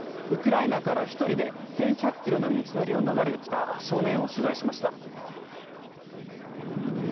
ウクライナから１人で１１００ｋｍの道のりを逃れてきた少年を取材しました。